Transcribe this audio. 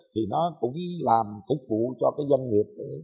thì nó cũng làm phục vụ cho doanh nghiệp